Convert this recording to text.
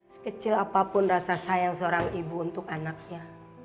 sekecil apapun rasa sayang seorang ibu untuk anaknya